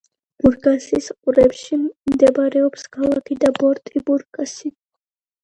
ბურგასის ყურეში მდებარეობს ქალაქი და პორტი ბურგასი.